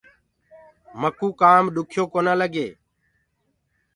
مڪوُ ڪآم ڏکيو ڪونآ لگي۔